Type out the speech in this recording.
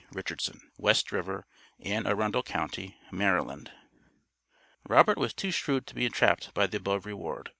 RICHARDSON, West River, Anne Arundel county, Maryland. j13 w&s3w Robert was too shrewd to be entrapped by the above reward.